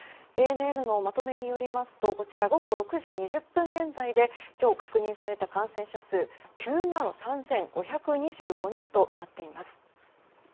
ＡＮＮのまとめによりますと午後６時２０分現在で今日確認された感染者数９万３５２５人となっています。